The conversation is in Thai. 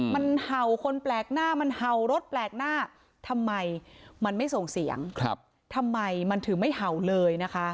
มันเห่าคนแปลกหน้ามันเห่ารถแปลกหน้าทำไมมันไม่ส่งเสียงทำไมมันถึงไม่เห่าเลยนะคะ